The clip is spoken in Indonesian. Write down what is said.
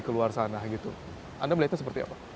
keluar sana gitu anda melihatnya seperti apa